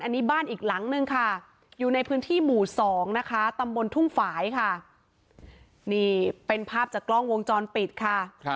อันนี้บ้านอีกหลังนึงค่ะอยู่ในพื้นที่หมู่๒นะคะตำบลทุ่งฝ่ายค่ะนี่เป็นภาพจากกล้องวงจรปิดค่ะ